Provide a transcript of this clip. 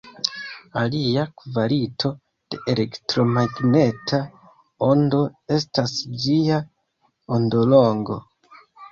Alia kvalito de elektromagneta ondo estas ĝia ondolongo.